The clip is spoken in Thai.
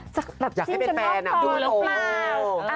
จะจิ้นกันนอกตอนรึเปล่า